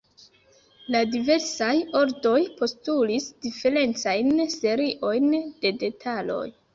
La diversaj ordoj postulis diferencajn seriojn de detaloj.